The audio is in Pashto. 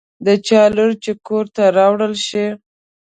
د چا لور چې کور ته راوړل شي.